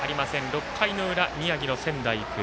６回の裏、宮城の仙台育英。